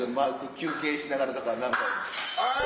休憩しながらだから何か。